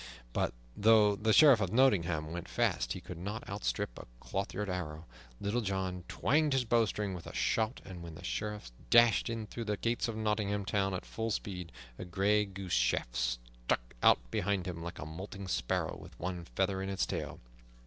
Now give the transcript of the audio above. But though the Sheriff of Nottingham went fast, he could not outstrip a clothyard arrow. Little John twanged his bowstring with a shout, and when the Sheriff dashed in through the gates of Nottingham Town at full speed, a gray goose shaft stuck out behind him like a moulting sparrow with one feather in its tail.